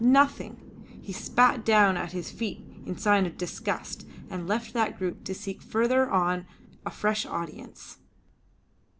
Nothing!" He spat down at his feet in sign of disgust, and left that group to seek further on a fresh audience.